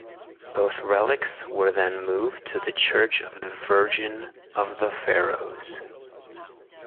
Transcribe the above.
Both relics were then moved to the Church of the Virgin of the Pharos.